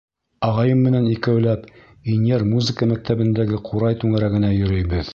Ағайым менән икәүләп Инйәр музыка мәктәбендәге ҡурай түңәрәгенә йөрөйбөҙ.